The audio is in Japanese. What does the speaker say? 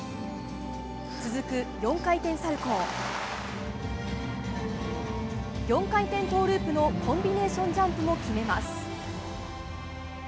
続く４回転サルコウ４回転トウループのコンビネーションジャンプも決めます。